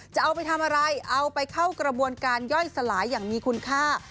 จะเอาไปทำอะไรเอาไปเข้ากระบวนการย่อยสลายอย่างมีคุณค่า